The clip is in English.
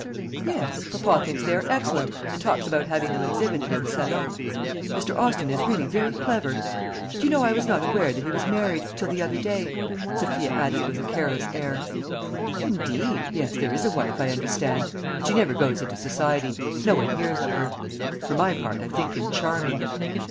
"Yes; papa thinks they are excellent, and talks about having them exhibited in the salon. Mr. Austin is really very clever. Do you know, I was not aware that he was married, till the other day?" Sophia added, with a careless air. "Indeed! Yes, there is a wife, I understand; but she never goes into society; no one hears of her. For my part I think him charming."